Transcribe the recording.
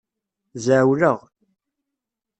Zɛewleɣ.